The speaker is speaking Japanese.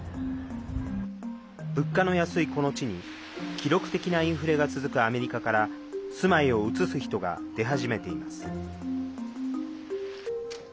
物価の安い、この地に記録的なインフレが続くアメリカから住まいを移す人が出始めています。